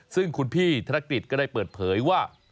ซึ่งคุณพี่ธนกฤษก็ได้เปิดเผยว่า